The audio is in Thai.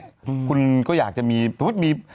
อืมคุณก็อยากจะมีสมมุติมี